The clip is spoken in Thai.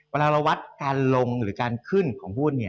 เวลาเราวัดการลงหรือการขึ้นของหุ้น